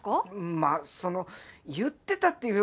まぁその言ってたっていうか。